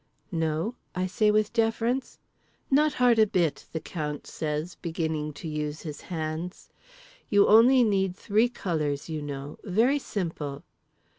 "No?" I say with deference. "Not hard a bit," the Count says, beginning to use his hands. "You only need three colours, you know. Very simple."